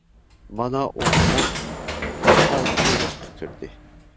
مانا ئۇ ئون ئالتە ياشقا كىردى.